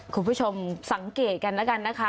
คุณผู้ชมสังเกตกันแล้วกันนะคะ